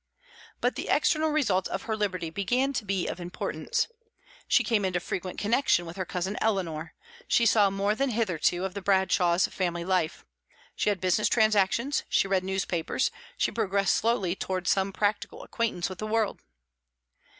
But the external results of her liberty began to be of importance. She came into frequent connection with her cousin Eleanor; she saw more than hitherto of the Bradshaws' family life; she had business transactions; she read newspapers; she progressed slowly towards some practical acquaintance with the world.